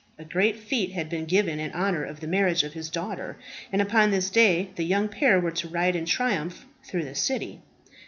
A great fete had been given in honour of the marriage of his daughter, and upon this day the young pair were to ride in triumph through the city.